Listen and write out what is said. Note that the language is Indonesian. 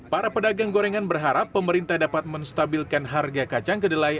para pedagang gorengan berharap pemerintah dapat menstabilkan harga kacang kedelai